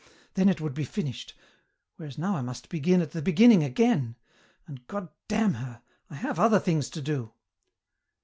Then it would be finished, whereas now I must begin at the beginning again, and God damn her! I have other things to do.